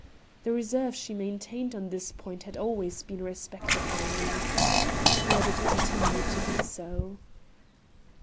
The reserve she maintained on this point has been always respected by me. Let it continue to be so.